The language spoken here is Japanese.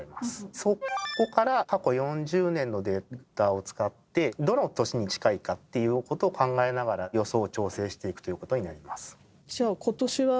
そこから過去４０年のデータを使ってどの年に近いかっていうことを考えながら予想を調整していくということになります。